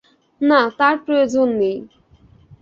না, তার প্রয়োজন নেই।